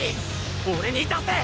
俺に出せ！